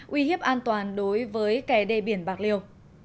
uy hiếp an toàn đối với kè đê biển bạc liêu